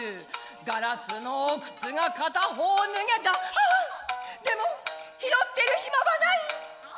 ガラスの靴がかたほう脱げた「あっでも拾っている暇はない！」。